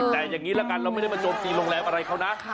แต่อย่างนี้ละกันเราไม่ได้มาโจมตีโรงแรมอะไรเขานะ